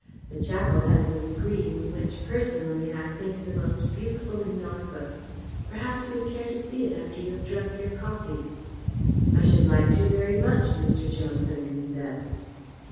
The chapel has a screen which, personally, I think the most beautiful in Norfolk. Perhaps you would care to see it after you have drunk your coffee." "I should like to very much," Mr. Johnson confessed.